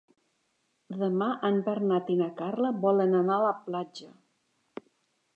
Demà en Bernat i na Carla volen anar a la platja.